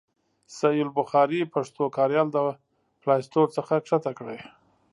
صحیح البخاري پښتو کاریال د پلای سټور څخه کښته کړئ.